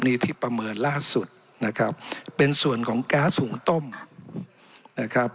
นี่ที่ประเมินล่าสุดนะครับเป็นส่วนของแก๊สหุงต้มนะครับ